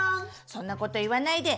そんなこと言わないで！